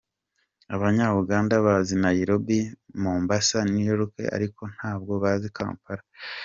Abanya-uganda bazi Nariobi, Mombasa, New york ariko ntabwo bazi Kampala”.